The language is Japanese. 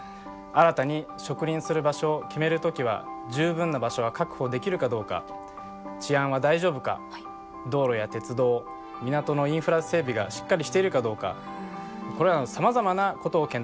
新たに植林する場所を決めるときは十分な場所が確保できるかどうか治安は大丈夫か道路や鉄道港のインフラ整備がしっかりしているかどうかこれらのさまざまなことを検討します。